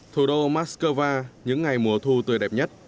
thủ đô moscow những ngày mùa thu tuyệt đẹp nhất